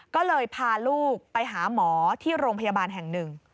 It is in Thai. ก็เลยพาลูกไปหาหมอที่โรงพยาบาลแห่งหนึ่ง